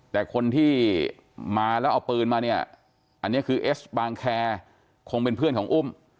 แต่คนที่มาแล้วเอาปืนมาเนี่ยอันนี้คือเอสบางแคร์คงเป็นเพื่อนของอุ้ม